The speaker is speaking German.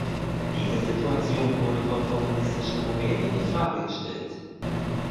Diese Situation wurde vom kommunistischen Rumänien in Frage gestellt.